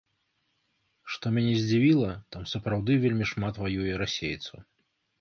Што мяне здзівіла, там сапраўды вельмі шмат ваюе расейцаў.